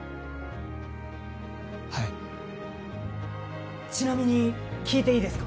はいちなみに聞いていいですか？